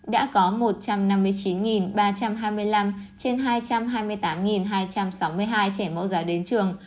đã có một trăm năm mươi chín ba trăm hai mươi năm trên hai trăm hai mươi tám hai trăm sáu mươi hai trẻ mẫu giáo đến trường